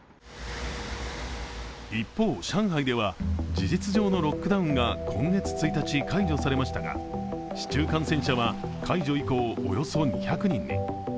一方、上海では事実上のロックダウンが今月１日解除されましたが、市中感染者は解除以降およそ２００人に。